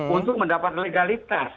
untuk mendapatkan legalitas